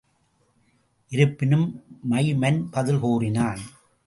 இருப்பினும் மைமன் பதில் கூறினான்.